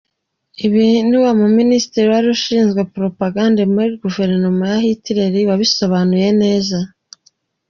Ibi ni wa muministre wari ushinzwe propagande muri Guverinoma ya Hitler wabisobanuye neza.